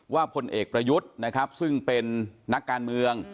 พลเอกประยุทธ์นะครับซึ่งเป็นนักการเมือง